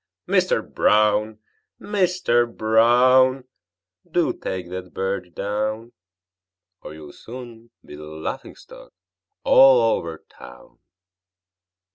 Mister Brown! Mister Brown! Do take that bird down, Or you'll soon be the laughing stock all over town!"